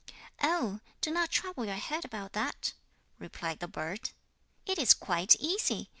'Oh! do not trouble your head about that,' replied the bird, 'it is quite easy!